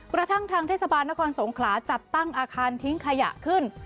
กระทั่งทางเทศบาลนครสงขลาจัดตั้งอาคารทิ้งขยะขึ้น